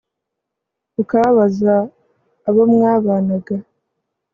ukababaza abo mwabanaga